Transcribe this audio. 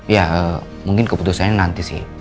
ya mungkin keputusannya nanti sih